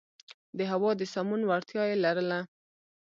د هوا د سمون وړتیا یې لرله.